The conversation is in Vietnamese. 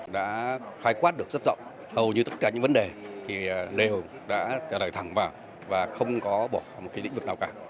đã khái quát được rất rộng hầu như tất cả những vấn đề thì đều đã trả lời thẳng vào và không có bỏ một cái lĩnh vực nào cả